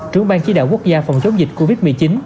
trưởng bang chỉ đạo quốc gia phòng chống dịch covid một mươi chín